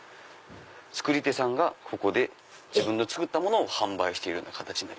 作り手さんがここで自分の作ったものを販売している。